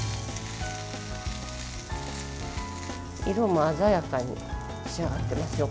色も鮮やかに仕上がっていますよ。